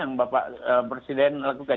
yang bapak presiden lakukan